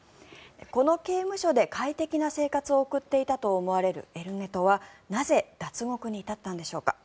この刑務所で快適な生活を送っていたと思われるエル・ネトはなぜ脱獄に至ったんでしょうか。